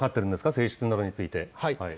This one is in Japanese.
性質などについて。